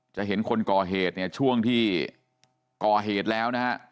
จะเห็นคนก่อเหตุเนี่ยช่วงที่ก่อเหตุแล้วนะฮะ